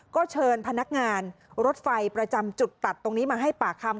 ก็เชิญพนักงานรถไฟประจำจุดตัดตรงนี้มาให้ปากคำ